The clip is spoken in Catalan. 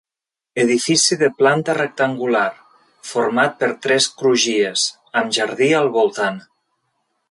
Edifici de planta rectangular, format per tres crugies, amb jardí al voltant.